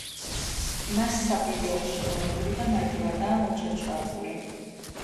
მას საპირე აქვს შემოვლებული და მარტივადაა მოჩარჩოებული.